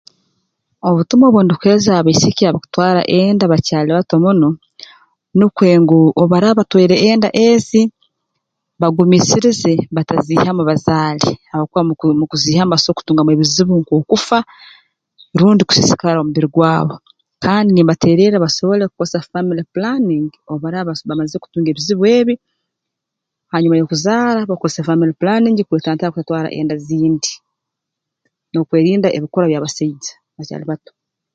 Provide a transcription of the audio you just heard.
Obutumwa obu ndukuheereza abaisiki abakutwara enda bakyali bato muno nukwe ngu obu baraaba batwaire enda ezi bagumiisirize bataziihamu bazaale habwokuba mu ku mu kuziihamu basobora kutungamu ebizibu nk'okufa rundi kusiisikara omubiri gwabo kandi nimbateererra basobole kukozesa family planning obu baraaba bamazire kutunga ebizibu ebi hanyuma y'okuzaara bakozese family planning kwetantara kutwara enda zindi n'okwerinda ebikorwa by'abasaija bakyali bato